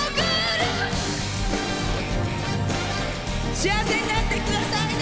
幸せになってくださいね！